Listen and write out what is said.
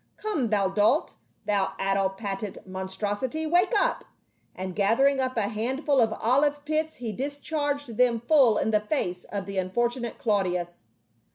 Come, thou dolt, thou addle pated monstrosity, wake up!" and gather ing up a handful of olive pits he discharged them full in the face of the unfortunate Claudius.